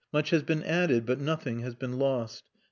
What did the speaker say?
Much has been added, but nothing has been lost.